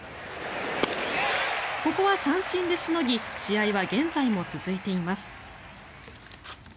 ここは三振でしのぎ試合は現在も続いています。